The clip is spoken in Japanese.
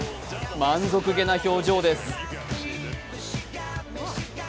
満足げな表情です。